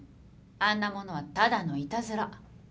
あんなものはただのいたずら。